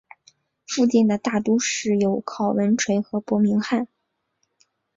附近的大都市有考文垂和伯明翰。